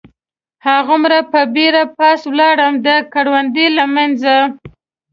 هغومره په بېړه پاس ولاړم، د کروندو له منځه.